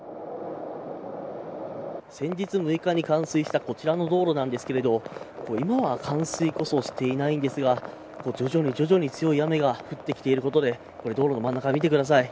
先日６日に冠水したこちらの道路なんですけど今は冠水こそしていないんですが徐々に強い雨が降ってきていることで道路の真ん中を見てください。